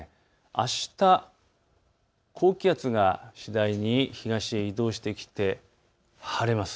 あした高気圧が次第に東へ移動してきて晴れます。